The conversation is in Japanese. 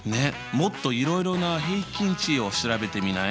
もっといろいろな平均値を調べてみない？